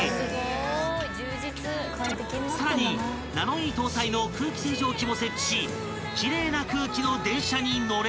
［さらにナノイー搭載の空気清浄機も設置し奇麗な空気の電車に乗れるのだ］